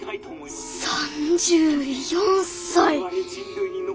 ３４歳！